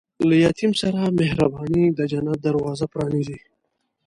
له یتیم سره مهرباني، د جنت دروازه پرانیزي.